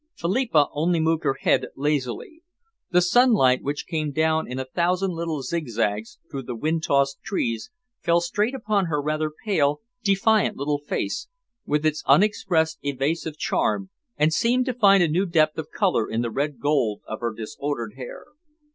Philippa only moved her head lazily. The sunlight, which came down in a thousand little zigzags through the wind tossed trees, fell straight upon her rather pale, defiant little face, with its unexpressed evasive charm, and seemed to find a new depth of colour in the red gold of her disordered hair.